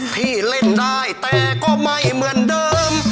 พี่เล่นได้แต่ก็ไม่เหมือนเดิม